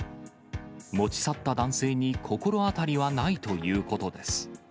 持ち去った男性に心当たりはないということです。